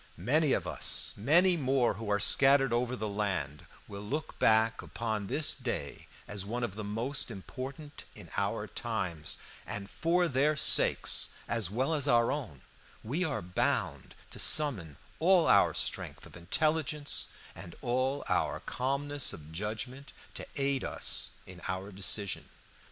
Many of us, many more who are scattered over the land, will look back upon this day as one of the most important in our times, and for their sakes as well as our own we are bound to summon all our strength of intelligence and all our calmness of judgment to aid us in our decision.